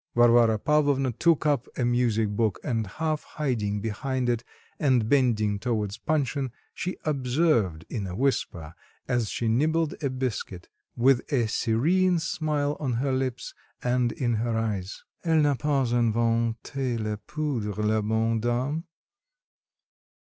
Varvara Pavlovna took up a music book and half hiding behind it and bending towards Panshin, she observed in a whisper, as she nibbled a biscuit, with a serene smile on her lips and in her eyes, "Elle n'a pas inventé la poudre, la bonne dame."